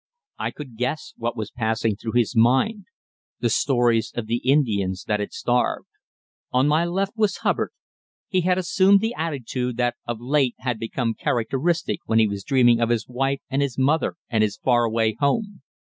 I could guess what was passing through his mind the stories of the Indians that starved. On my left was Hubbard. He had assumed the attitude that of late had become characteristic when he was dreaming of his wife and his mother and his far away home.